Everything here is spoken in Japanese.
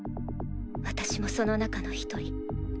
私もその中の一人。